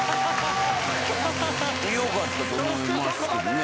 良かったと思いますけどね。